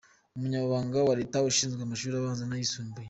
Umunyamabanga wa Leta ushinzwe amashuri abanza n’ayisumbuye.